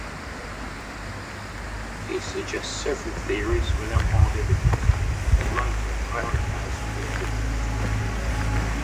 He suggests several theories without hard evidence but later clarifies them with evidence.